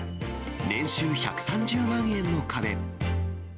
年収１３０万円の壁。